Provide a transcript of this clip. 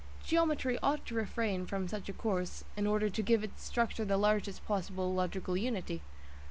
Geometry ought to refrain from such a course, in order to give to its structure the largest possible logical unity.